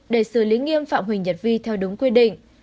để xử lý nghiêm phạm huỳnh nhật vi theo đúng quy định